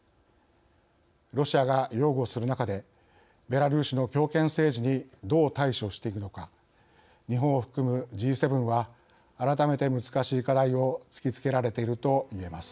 ロシアが擁護する中でベラルーシの強権政治にどう対処していくのか日本を含むＧ７は改めて難しい課題を突きつけられているといえます。